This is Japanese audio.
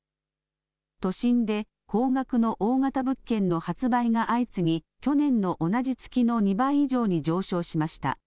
都心で高額の大型物件の発売が相次ぎ、去年の同じ月の２倍以上に上昇しました。